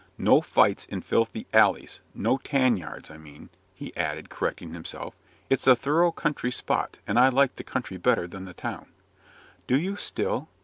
No fights in filthy alleys! no tan yards I mean" he added, correcting himself "it's a thorough country spot; and I like the country better than the town." "Do you, still?